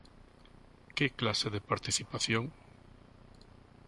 ¿Que clase de participación?